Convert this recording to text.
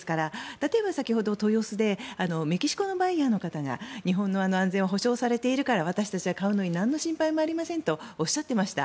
例えば先ほど豊洲でメキシコのバイヤーの方が日本の安全は保障されているから私たちは買うのになんの心配もありませんとおっしゃっていました。